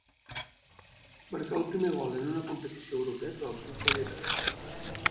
Marcà el primer gol en una competició europea per al club vallesà.